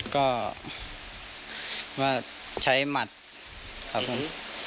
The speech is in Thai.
ก็ว่าใช้หมัดครับผม